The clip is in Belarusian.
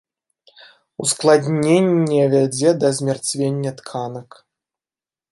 Ускладненне вядзе да змярцвення тканак.